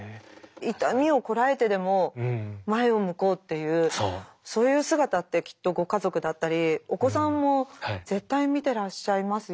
痛みをこらえてでも前を向こうっていうそういう姿ってきっとご家族だったりお子さんも絶対見てらっしゃいますよね。